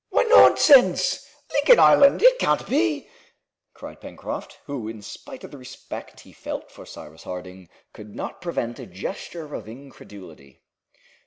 "Nonsense! Lincoln Island, it can't be!" cried Pencroft, who, in spite of the respect he felt for Cyrus Harding, could not prevent a gesture of incredulity.